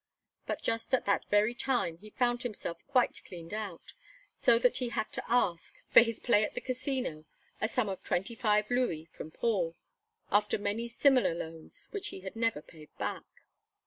But just at that very time he found himself quite cleaned out, so that he had to ask, for his play at the Casino, a sum of twenty five louis from Paul, after many similar loans, which he had never paid back.